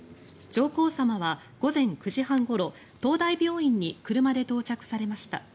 上皇さまは午前９時半ごろ東大病院に車で到着されました。